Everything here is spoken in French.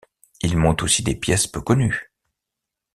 Il monte aussi des pièces peu connues.